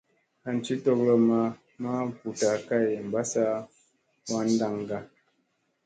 An ci togolomma maa buuta kay mbassa waŋŋa daŋ.